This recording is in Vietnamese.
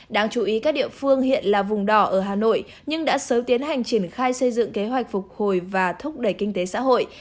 đáng chú ý các địa phương hiện là vùng đỏ ở hà nội nhưng đã sớm tiến hành triển khai xây dựng kế hoạch phục hồi và thúc đẩy kinh tế xã hội